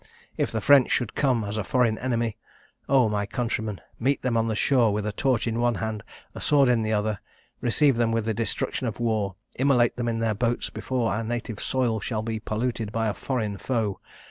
If the French should come as a foreign enemy, Oh! my countrymen! meet them on the shore with a torch in one hand, a sword in the other: receive them with all the destruction of war; immolate them in their boats before our native soil shall be polluted by a foreign foe!